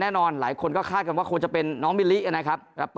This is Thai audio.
แน่นอนหลายคนก็คาดกันว่าควรจะเป็นน้องมิลินะครับรับ